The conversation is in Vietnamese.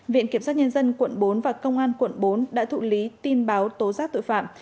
viện kiểm sát nhân dân quận bốn và công an quận bốn đã thụ lý tin báo tố giác tội phạm